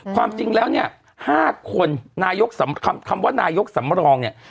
ความจริงแล้วเนี่ย๕คนนายกคำว่านายกสำรองเนี่ย